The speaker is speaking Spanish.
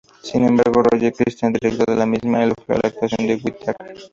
Sin embargo, Roger Christian, director de la misma, elogió la actuación de Whitaker.